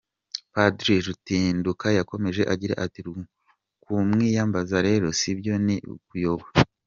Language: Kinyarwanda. Padiri Rutinduka yakomeje agira ati “Kumwiyambaza rero si byo, ni ukuyoba.